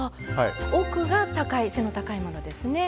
奥が背の高いものですね。